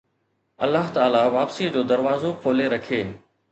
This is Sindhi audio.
الله تعاليٰ واپسيءَ جو دروازو کولي رکي